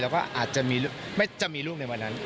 แล้วก็อาจจะมีลูกในวันนั้น